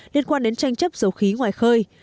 liên quan đến tranh chấp dầu khí ngoài khơi